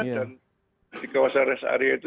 dan di kawasan res area itu